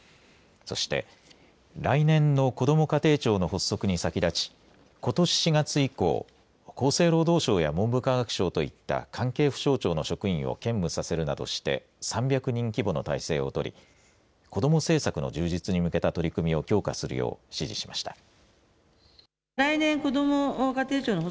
そして、来年のこども家庭庁の発足に先立ちことし４月以降厚生労働省や文部科学省といった関係府省庁の職員を兼務させるなどして３００人規模の体制を取り子ども政策の充実に向けた取り組みを強化するよう指示しました。